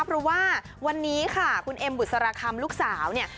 เพราะว่าวันนี้ค่ะคุณเอ็มบุษราคำลูกสาวเนี่ย